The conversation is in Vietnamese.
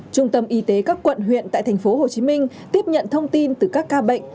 trung tâm y tế các quận huyện tại tp hcm tiếp nhận thông tin từ các ca bệnh